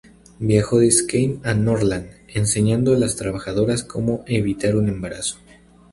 Viajó de Skåne a Norrland enseñando a las trabajadoras cómo evitar un embarazo.